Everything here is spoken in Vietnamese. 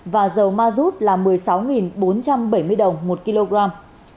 và dầu mazut là một mươi sáu đồng một lít